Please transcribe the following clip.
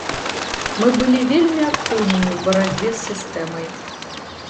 Мы былі вельмі актыўнымі ў барацьбе з сістэмай.